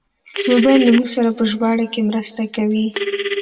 موبایل له موږ سره په ژباړه کې مرسته کوي.